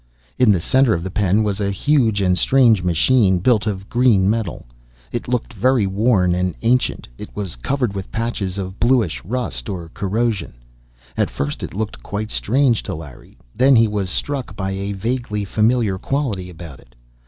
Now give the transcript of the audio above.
In the center of the pen was a huge and strange machine, built of green metal. It looked very worn and ancient; it was covered with patches of bluish rust or corrosion. At first it looked quite strange to Larry; then he was struck by a vaguely familiar quality about it.